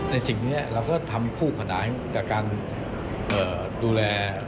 ในสิ่งนี้เราก็จะทำภูมิขนาดร้ายจากการดูแล